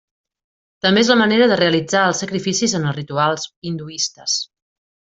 També és la manera de realitzar els sacrificis en els rituals hinduistes.